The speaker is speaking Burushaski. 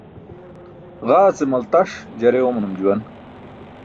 Ġaa ce maltaṣ jare oomanum juwan.